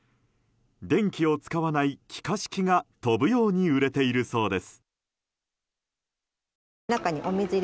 電気を使わない気化式が飛ぶように売れているそうです。